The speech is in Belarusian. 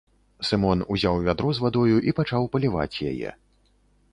Сымон узяў вядро з вадою і пачаў паліваць яе.